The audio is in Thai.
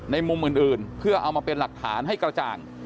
มุมอื่นเพื่อเอามาเป็นหลักฐานให้กระจ่าง